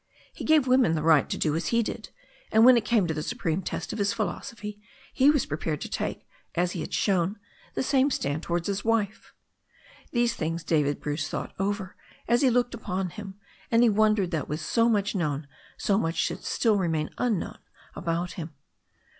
He gave women the right to do as he did, and when it came to the supreme test of his philosophy, he was prepared to take, as he had shown, the same stand towards his wife. These things David Bruce thought over as he looked upon him, and he wondered that with so much known so much should still remain unknown about him.